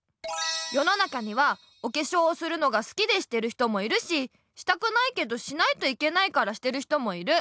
世の中にはおけしょうをするのがすきでしてる人もいるししたくないけどしないといけないからしてる人もいる。